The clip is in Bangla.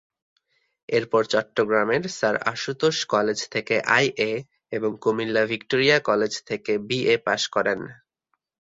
এরপর চট্টগ্রামের স্যার আশুতোষ কলেজ থেকে আই এ এবং কুমিল্লা ভিক্টোরিয়া কলেজ থেকে বি এ পাস করেন।